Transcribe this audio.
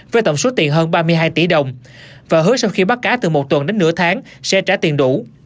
với tổng số tiền hơn ba mươi hai tỷ đồng và hứa sau khi bắt cá từ một tuần đến nửa tháng sẽ trả tiền đủ